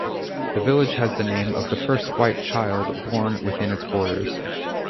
The village has the name of the first white child born within its borders.